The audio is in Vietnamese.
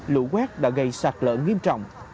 lũ quét đã gây sạt lở nghiêm trọng